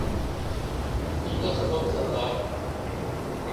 اس کا سبب ذرات